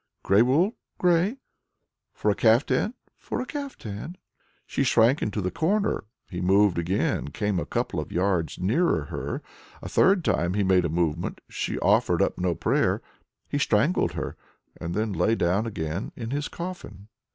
"Grey wool?" "Grey." "For a caftan?" "For a caftan." She shrank into the corner. He moved again, came a couple of yards nearer her. A third time he made a movement. She offered up no prayer. He strangled her, and then lay down again in his coffin.